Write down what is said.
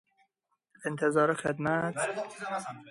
انظار خدمت